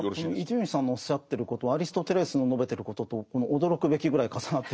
伊集院さんのおっしゃってることアリストテレスの述べてることと驚くべきぐらい重なってるところがあって。